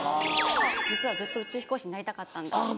「実はずっと宇宙飛行士になりたかったんだ」って。